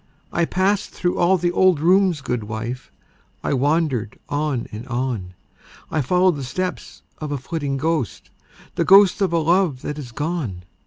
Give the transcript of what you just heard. I passed through all the old rooms, good wife; I wandered on and on; I followed the steps of a flitting ghost, The ghost of a love that is gone.